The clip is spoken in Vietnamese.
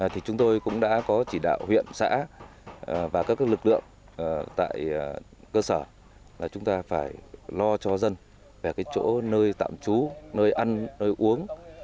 thì chúng tôi cũng đã có chỉ đạo huyện xã và các lực lượng tại cơ sở là chúng ta phải lo cho dân về cái chỗ nơi tạm trú nơi ăn nơi uống